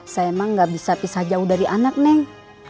saya emang nggak bisa pisah jauh dari anak neng